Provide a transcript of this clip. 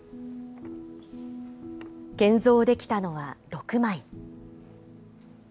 現像できたのは６枚。